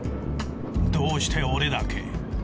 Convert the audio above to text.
どうして俺だけ。